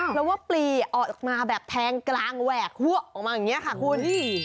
เพราะว่าปลีออกมาแบบแพงกลางแหวกหัวออกมาอย่างนี้ค่ะคุณ